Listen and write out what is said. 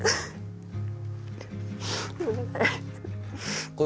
ごめんなさい。